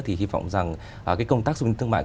thì hy vọng rằng cái công tác xúc tiến thương mại